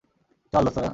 চল, দোস্তরা।